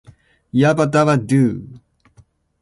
Yabba Dabba Doo!